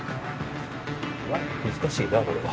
難しいなこれは。